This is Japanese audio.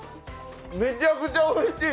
めちゃくちゃおいしい！